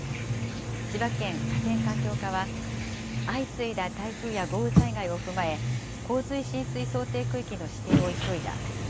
千葉県河川環境課は、相次いだ台風や豪雨災害を踏まえ、洪水浸水想定区域の指定を急いだ。